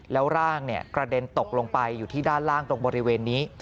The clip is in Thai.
แล้วร่างกระเด็นตกลงไปอยู่ที่ด้านล่างตรงบริเวณนี้